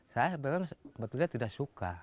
saya memang betul betul tidak suka